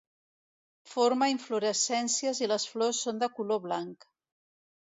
Forma inflorescències i les flors són de color blanc.